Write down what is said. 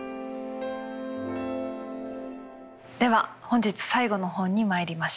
では本日最後の本にまいりましょう。